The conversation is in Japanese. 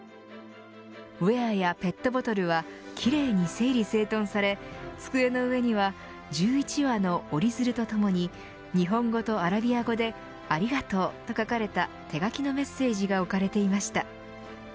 ウエアやペットボトルはきれいに整理整頓され机の上には１１羽の折り鶴とともに日本語とアラビア語でありがとうと書かれた手書きのメッセージが置かれていました。